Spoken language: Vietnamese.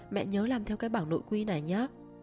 mẹ nhớ làm theo cái bảng nội quy này nhá